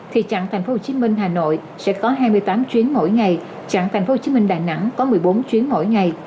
thì chặng tp hcm hà nội sẽ có hai mươi tám chuyến mỗi ngày chặng tp hcm đà nẵng có một mươi bốn chuyến mỗi ngày